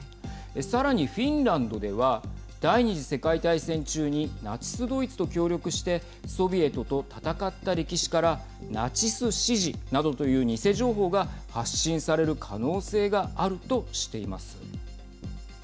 さらに、フィンランドでは第２次世界大戦中にナチスドイツと協力してソビエトと戦った歴史からナチス支持などという偽情報が発信される可能性があるとしています。